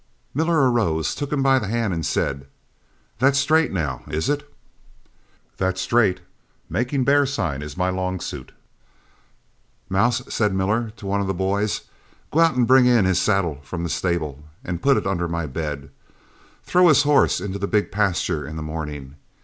"Miller arose, took him by the hand, and said, 'That's straight, now, is it?' "'That's straight. Making bear sign is my long suit.' "'Mouse,' said Miller to one of the boys, 'go out and bring in his saddle from the stable and put it under my bed. Throw his horse in the big pasture in the morning.